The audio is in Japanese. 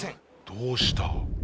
どうした？